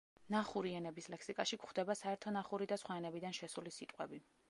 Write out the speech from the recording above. ნახური ენების ლექსიკაში გვხვდება საერთო ნახური და სხვა ენებიდან შესული სიტყვები.